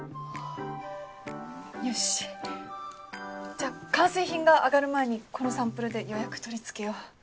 よしじゃ完成品が上がる前にこのサンプルで予約取り付けよう。